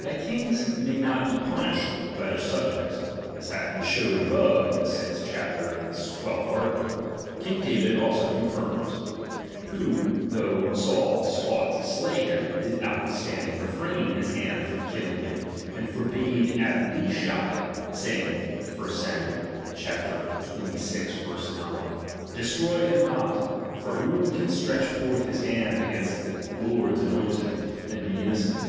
That kings may not be punished by their subjects, as hath been showed above in the sixth '* chapter and the twelfth article, King David also confirms ; who, though Saul sought to slay himi, did notwithstanding refrain his hand from killing him, and forbade Abishai, saying, (1 Sam, xxvi. 9) : Destroy him not ; for who can stretch forth his DOMINION. 145 hand against Ike LoriTs anointed, and he inno chm cent